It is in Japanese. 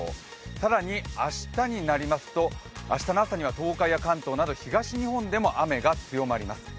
更に明日になりますと明日の朝には東海や関東など東日本でも雨が強まります。